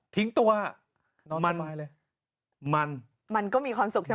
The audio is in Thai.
ทิ้งตัวมันก็มีความสุข